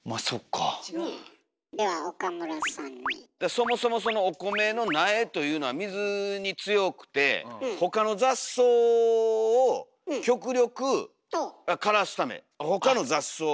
そもそもお米の苗というのは水に強くてほかの雑草を極力枯らすため。